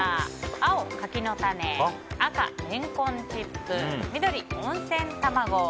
青、柿の種赤、レンコンチップ緑、温泉卵。